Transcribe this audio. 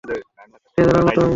Treasurer তো আমি।